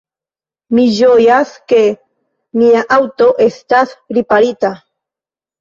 Mi ĝojas, ke mia aŭto estas riparita.